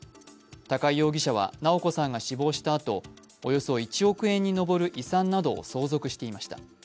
高井容疑者は直子さんが死亡したあと、およそ１億円に上る遺産などを相続していました。